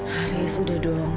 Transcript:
haris udah dong